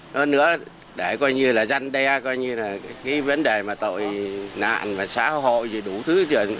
hơn nữa để coi như là danh đe coi như là cái vấn đề mà tội nạn và xã hội gì đủ thứ